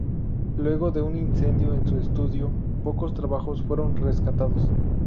Luego de un incendio en su estudio, pocos trabajos fueron rescatados.